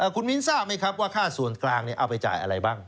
คุณมิ้นทราบไหมครับว่าค่าส่วนกลางเอาไปจ่ายอะไรบ้าง